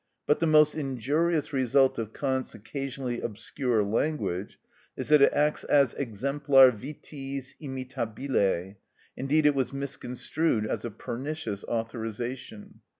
But the most injurious result of Kant's occasionally obscure language is, that it acted as exemplar vitiis imitabile; indeed, it was misconstrued as a pernicious authorisation.